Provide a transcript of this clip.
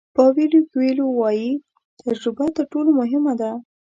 پاویلو کویلو وایي تجربه تر ټولو مهمه ده.